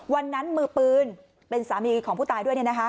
วันนั้นมือปืนเป็นสามีของผู้ตายด้วยนะฮะ